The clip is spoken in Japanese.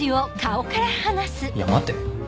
いや待て